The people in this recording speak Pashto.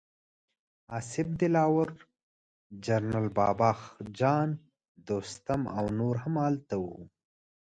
اصف دلاور، جنرال بابه جان، دوستم او نور هم هلته وو.